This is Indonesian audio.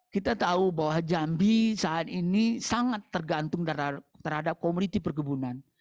kita tahu bahwa jambi saat ini sangat tergantung terhadap komoditi perkebunan